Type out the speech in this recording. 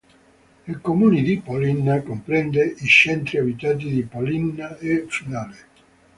Il comune di Pollina comprende i centri abitati di Pollina e Finale.